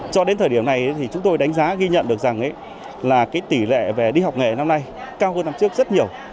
cho đến thời điểm này chúng tôi đánh giá ghi nhận được rằng tỷ lệ về đi học nghề năm nay cao hơn năm trước rất nhiều